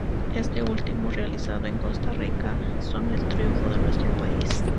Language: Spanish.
Este último realizado en Costa Rica y con el triunfo de nuestro país.